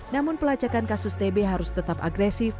namun pelacakan kasus tb harus tetap agresif